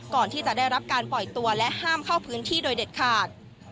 ก่อนที่จะได้รับการปล่อยตัวและห้ามเข้าพื้นที่โดยเด็ดขาด